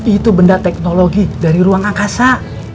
itu benda teknologi dari ruang angkasa